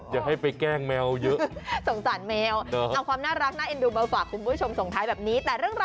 อย่าให้ไปแกล้งแมวเยอะสงสารแมวเอาความน่ารักน่าเอ็นดูมาฝากคุณผู้ชมส่งท้ายแบบนี้แต่เรื่องราว